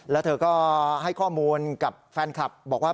แล้วเธอก็ให้ข้อมูลกับแฟนคลับบอกว่า